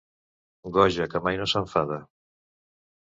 Goja que mai no s'enfada.